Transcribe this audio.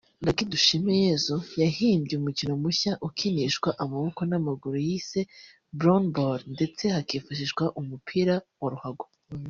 Luc Dushimeyezu yahimbye umukino mushya ukinishwa amaboko n’amaguru yise “Bloanball” ndetse hakifashishwa umupira wa ruhago